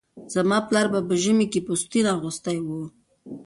زما پلاره به ژمي کې پوستين اغوستی و